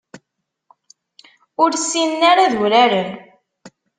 Ur ssinen ara ad uraren.